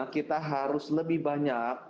kita harus lebih banyak